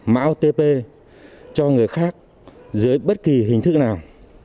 mạo tp cho người khác dưới bất kỳ hình thức nào